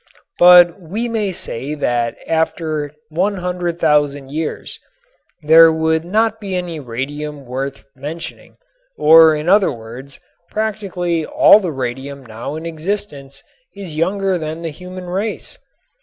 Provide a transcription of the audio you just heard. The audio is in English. But we may say that after 100,000 years there would not be left any radium worth mentioning, or in other words practically all the radium now in existence is younger than the human race.